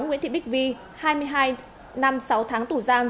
nguyễn thị bích vi hai mươi hai năm sáu tháng tù giam